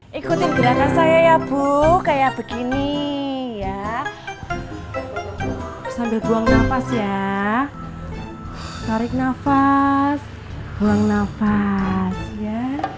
hai ikutin gerakan saya ya bu kayak begini ya sambil buang nafas ya tarik nafas buang nafas ya